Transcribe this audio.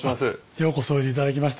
ようこそおいで頂きました